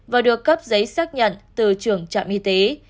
và được cấp giấy xác nhận từ trưởng trạm y tế